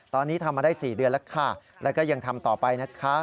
ตอนนี้ทำมาได้๔เดือนแล้วค่ะแล้วก็ยังทำต่อไปนะคะ